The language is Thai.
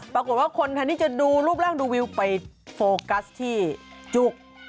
ปรากฏว่าคนแทนที่จะดูรูปร่างดูวิวไปโฟกัสที่จุ๊ก